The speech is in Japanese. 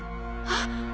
あっ！